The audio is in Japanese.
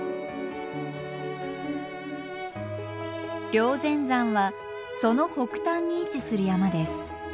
霊仙山はその北端に位置する山です。